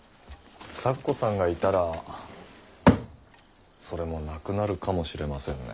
咲子さんがいたらそれもなくなるかもしれませんね。